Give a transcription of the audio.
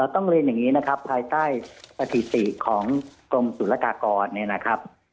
ต้องเรียนอย่างนี้นะครับภายใต้สถิติของกรมศุลกากรเนี่ยนะครับ